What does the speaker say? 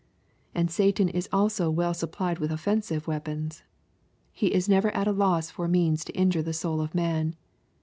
— And Satan is also well sup plied with oflFensive weapons. He is never at a loss for means to injure the soul of man.